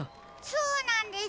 そうなんです。